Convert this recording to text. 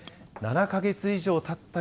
７か月以上たった